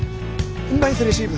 ナイスレシーブ。